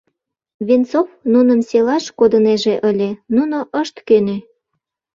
Венцов нуным селаш кодынеже ыле, нуно ышт кӧнӧ.